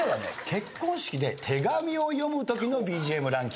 結婚式で手紙を読むときのＢＧＭランキング。